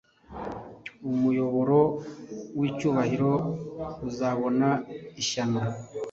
Umuyoboro wicyubahiro Uzabona ishyano